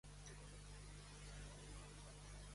Lucky la sigue los próximos días.